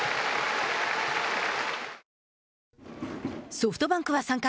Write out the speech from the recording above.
ソフトバンクは３回。